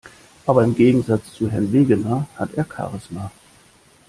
Aber im Gegensatz zu Herrn Wegener hat er Charisma.